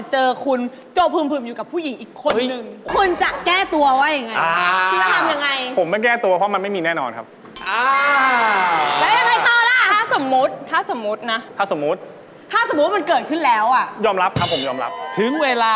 เจอคุณโจพลึมอยู่กับผู้หญิงอีกคนนึง